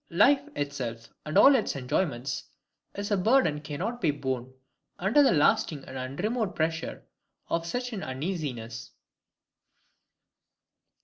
Life itself, and all its enjoyments, is a burden cannot be borne under the lasting and unremoved pressure of such an uneasiness.